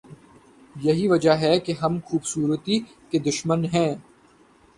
یہی وجہ ہے کہ ہم خوبصورتی کے دشمن ہیں۔